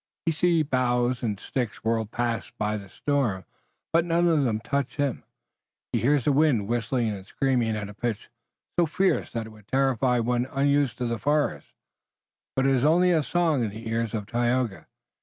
He sees boughs and sticks whirled past by the storm, but none of them touches him. He hears the wind whistling and screaming at a pitch so fierce that it would terrify one unused to the forest, but it is only a song in the ears of Tayoga.